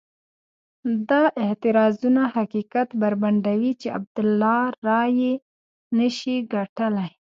دا اعتراضونه حقیقت بربنډوي چې عبدالله رایې نه شي ګټلای.